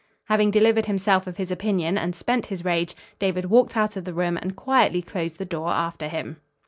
Having delivered himself of his opinion, and spent his rage, David walked out of the room and quietly closed the door after him.